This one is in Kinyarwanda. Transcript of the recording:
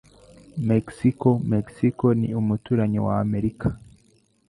Mexico Mexico ni umuturanyi wa Amerika.